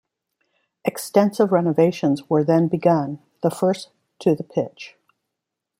Extensive renovations were then begun, the first to the pitch.